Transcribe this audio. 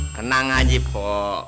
kenang aja po